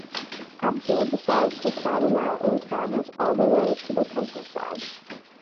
Abdul decides to try them out and travels all the way to the countryside.